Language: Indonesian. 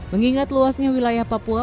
mengingat luasnya wilayah papua